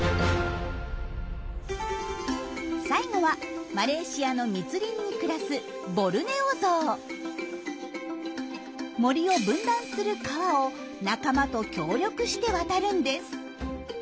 最後はマレーシアの密林に暮らす森を分断する川を仲間と協力して渡るんです。